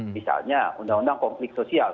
misalnya undang undang konflik sosial